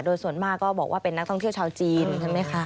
โดยส่วนมากก็บอกว่าเป็นนักท่องเที่ยวชาวจีนใช่ไหมคะ